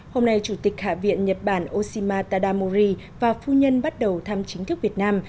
hôm nay chủ tịch hạ viện nhật bản oshima tadamori và phu nhân bắt đầu thăm chính thức việt nam